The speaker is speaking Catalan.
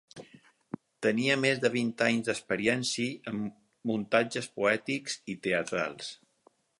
Tenia més de vint anys d’experiència en muntatges poètics i teatrals.